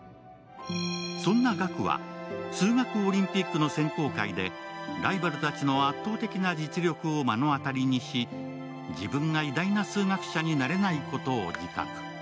そんな岳は数学オリンピックの選考会でライバルたちの圧倒的な実力を目の当たりにし、自分が偉大な数学者になれないことを自覚。